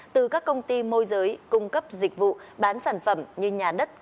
từ các công ty môi giới cung cấp dịch vụ bán sản phẩm như nhà đất